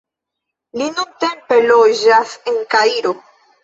Li nuntempe loĝas en Kairo.